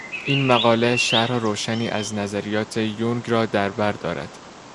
این مقاله شرح روشنی از نظریات یونگ را دربر دارد.